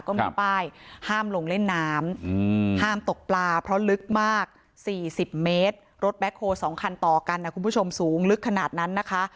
ก็มีป้ายห้ามลงเล่นน้ำห้ามตกปลาเพราะลึกมาก๔๐เมตรรถแบ็คโฮ๒คันต่อกันนะคุณผู้ชมสูงลึกขนาดนั้นนะคะ